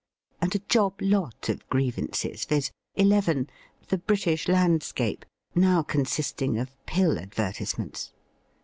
And a job lot of grievances, viz.: 11. The British landscape, now consisting of pill advertisements.